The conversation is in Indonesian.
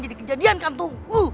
jadi kejadian kan tunggu